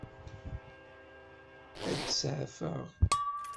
Ad tt-seɛfeɣ?